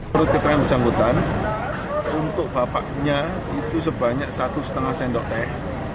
menurut keterangan bersangkutan untuk bapaknya itu sebanyak satu lima sendok teh